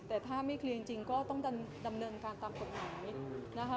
แต่ถ้าไม่เคลียร์จริงก็ต้องดำเนินการตามกฎหมายนะคะ